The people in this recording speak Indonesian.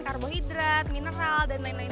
karbohidrat mineral dan lain lain